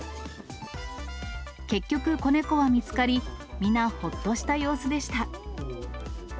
結局、子猫は見つかり、皆、ほっとした様子でした。